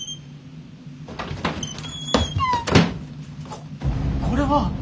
ここれは。